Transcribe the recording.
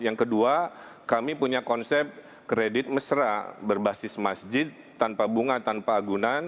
yang kedua kami punya konsep kredit mesra berbasis masjid tanpa bunga tanpa agunan